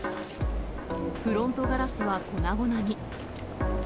フロントガラスは粉々に。